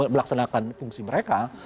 melaksanakan fungsi mereka